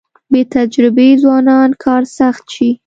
بې تجربې ځوانان کار سخت شي.